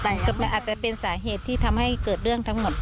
อาจจะเป็นสาเหตุที่ทำให้เกิดเรื่องทั้งหมด